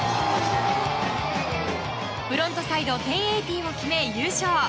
フロントサイド１０８０を決め優勝。